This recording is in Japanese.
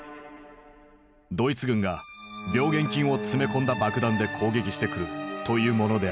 ドイツ軍が病原菌を詰め込んだ爆弾で攻撃してくるというものである。